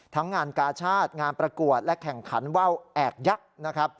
ทั้งงานกาชาติงานประกวดและแข่งขันว่าวแอกยักษ์นะครับ